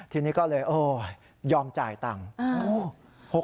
ทีนี้ก็เลยยอมจ่ายตังค์